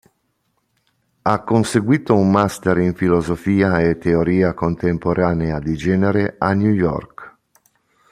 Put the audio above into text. Ha conseguito un master in Filosofia e teoria contemporanea di genere a New York.